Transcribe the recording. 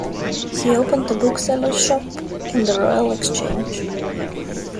He opened a booksellers shop in the Royal Exchange.